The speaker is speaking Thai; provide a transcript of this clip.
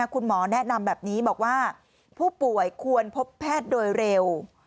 คุณหมอแนะนำแบบนี้บอกว่าผู้ป่วยควรพบแพทย์โดยเร็ว